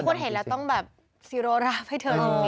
คนเห็นแล้วต้องแบบซีโรราบให้เธอดู